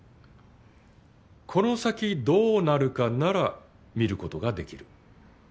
この先どうなるかなら見ることができる。